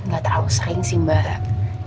gak terlalu sering sih mbak